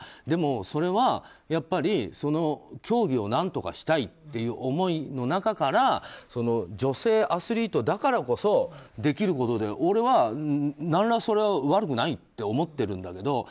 でも、それはやっぱりその競技を何とかしたいという思いの中から女性アスリートだからこそできることで俺は何ら、それは悪くないって思ってるんだけど。